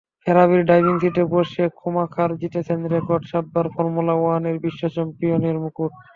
ফেরারির driving সিটে বসে Schumacher জিতেছেন রেকর্ড সাতবার ফর্মুলা ওয়ানের বিশ্ব চ্যাম্পিয়নের মুকুট।